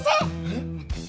えっ？